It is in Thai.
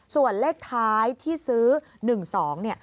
ส่วนเลขท้ายที่ซื้อ๑๒เนี่ย